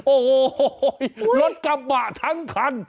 โอ้โฮลถกับบะทั้งพันธุ์